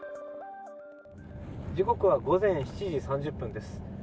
時刻は午前７時３０分です。